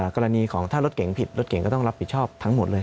กรณีของถ้ารถเก่งผิดรถเก่งก็ต้องรับผิดชอบทั้งหมดเลย